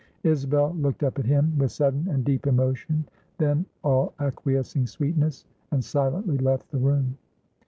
Isabel looked up at him, with sudden and deep emotion, then all acquiescing sweetness, and silently left the room.